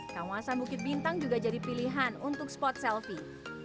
kawasan bukit bintang juga jadi pilihan untuk spot selfie